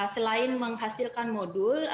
selain menghasilkan modul